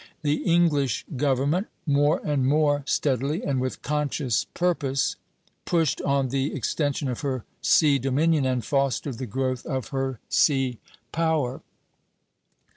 The English government more and more steadily, and with conscious purpose, pushed on the extension of her sea dominion and fostered the growth of her sea power.